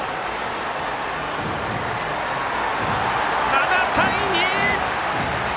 ７対２！